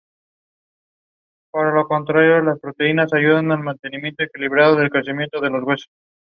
Actualmente está casada y tiene un hijo.